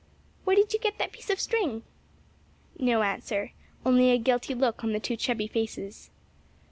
"Where did you get that piece of string?" No answer; only a guilty look on the two chubby faces.